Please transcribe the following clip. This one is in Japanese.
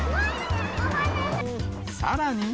さらに。